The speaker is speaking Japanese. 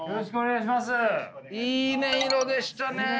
いい音色でしたね！